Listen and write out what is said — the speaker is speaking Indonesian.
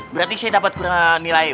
berarti saya dapat kurang nilai